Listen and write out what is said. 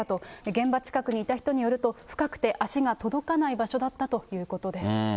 現場近くにいた人によると、深くて足が届かない場所だったということです。